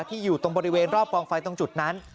อยู่ตรงบริเวณรอบกองไฟตรงจุดนั้น